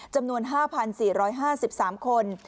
จำนวน๕๔๕๓คน